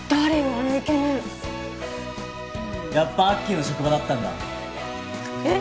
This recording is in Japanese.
あのイケメンやっぱアッキーの職場だったんだえっ？